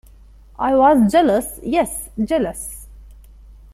I was jealous — yes, jealous.